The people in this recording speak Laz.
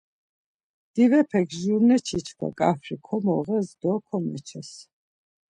Divepek jurneçi çkva ǩafri komoğes do komeçes.